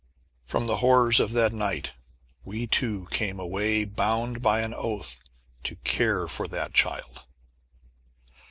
From the horrors of that night we two came away bound by an oath to care for that child.